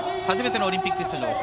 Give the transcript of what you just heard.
初めてのオリンピック出場